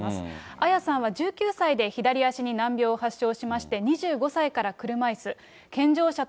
アヤさんは１９歳で左足に難病を発症しまして、２５歳から車いす。